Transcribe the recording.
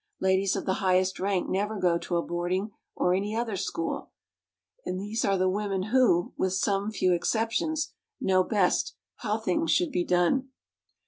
Ladies of the highest rank never go to a boarding or any other school, and these are the women who, with some few exceptions, know best how things should be done.